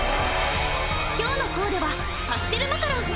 今日のコーデはパステルマカロン。